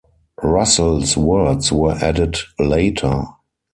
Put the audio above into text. Russell's words were added later.